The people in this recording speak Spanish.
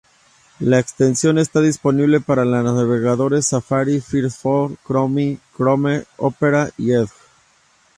La extensión está disponible para los navegadores Safari, Firefox, Chromium, Chrome, Opera y Edge.